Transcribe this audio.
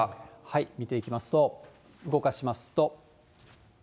見ていきますと、動かしますと。